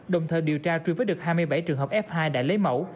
đồng thời điều tra truy vết được hai mươi bảy trường hợp f hai đã lấy mẫu